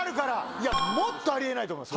いや、もっとありえないと思います。